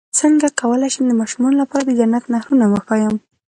څنګه کولی شم د ماشومانو لپاره د جنت نهرونه وښایم